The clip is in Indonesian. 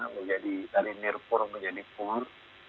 menjadi dari nirpur menjadi pur